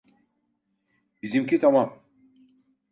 Bizimki tamam!